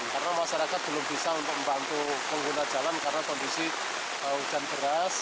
karena masyarakat belum bisa untuk membantu pengguna jalan karena kondisi hujan beras